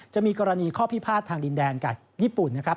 จะมีกรณีข้อพิพาททางดินแดนกับญี่ปุ่นนะครับ